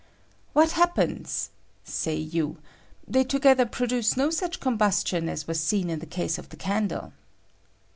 "What happens?" say you; "they together produce no such combustion as was seen in the case of the candle."